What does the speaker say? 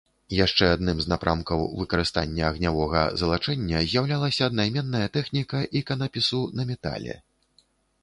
Яшчэ адным з напрамкаў выкарыстання агнявога залачэння з'яўлялася аднайменная тэхніка іканапісу на метале.